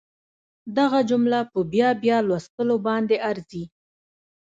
دغه جمله په بیا بیا لوستلو باندې ارزي